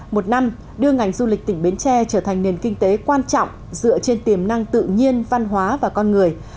một năm đưa ngành du lịch tỉnh bến tre trở thành nền kinh tế quan trọng dựa trên tiềm năng tự nhiên văn hóa và con người